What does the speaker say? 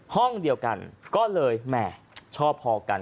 ห้องเดียวกันก็เลยแหม่ชอบพอกัน